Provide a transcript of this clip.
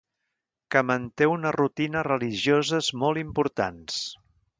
Que manté unes rutines religioses molt importants.